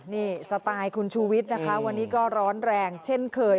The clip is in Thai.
นี่สไตล์คุณชูวิทย์นะคะวันนี้ก็ร้อนแรงเช่นเคย